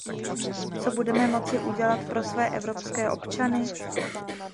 Co budeme moci udělat pro své evropské občany?